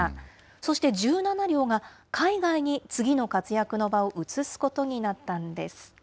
そして１７両が、海外に次の活躍の場を移すことになったんです。